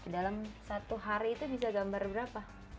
dalam satu hari itu bisa gambar berapa